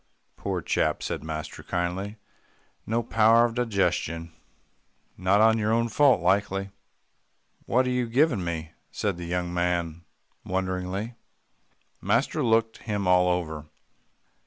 "Poor chap," said master kindly, "no power of digestion. Not your own fault, likely." "What are you givin' me," said the young man wonderingly. Master looked him all over.